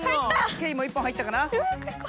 ケイも１本入ったかな。